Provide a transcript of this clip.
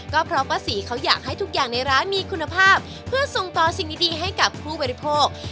ก็เพราะป้าศรีเขาอยากให้ทุกอย่างในร้านมีคุณภาพเพื่อส่งต่อสิ่งดีให้กับผู้บริโภค